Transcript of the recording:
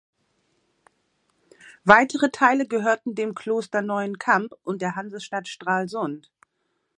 Weitere Teile gehörten dem Kloster Neuenkamp und der Hansestadt Stralsund.